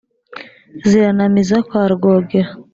ziranamiza kwa rwogera